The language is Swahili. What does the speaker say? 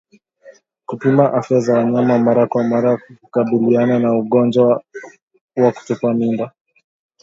Kupima afya za wanyama mara kwa mara hukabiliana na ugonjwa wa kutupa mimba